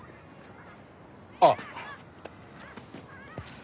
あっ。